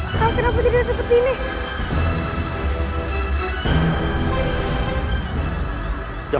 saat suatu kali yang bergerak event brumuh ngelopus